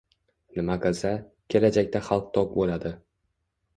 Nima qilsa — kelajaqda xalq to‘q bo‘ladi?